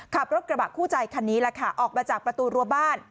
ขับรถกระบะคู่ใจคันนี้แหละค่ะออกมาจากประตูรัวบ้าน